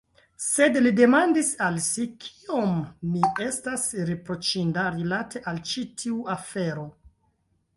Sed, li demandis al si, kiom mi estas riproĉinda rilate al ĉi tiu afero?